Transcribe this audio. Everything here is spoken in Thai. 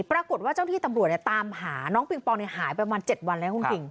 เจ้าหน้าที่ตำรวจตามหาน้องปิงปองหายประมาณ๗วันแล้วคุณคิง